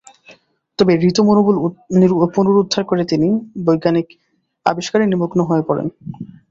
তবে হৃত মনোবল পুনরুদ্ধার করে তিনি বৈজ্ঞানিক আবিষ্কারে নিমগ্ন হয়ে পড়েন।